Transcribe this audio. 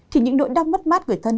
thì những nỗi đau mất mát gửi thân